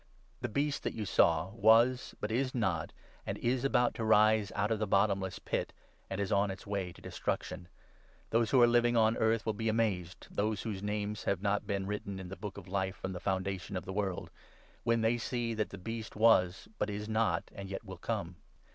The Beast that you saw was, 8 but is not, and is about to rise out of the bottomless pit, and is on its way to destruction. Those who are living on earth will be amazed — those whose names have not been written in the Book of Life from the foundation of the world — when they see that the Beast was, but is not, and yet will come.'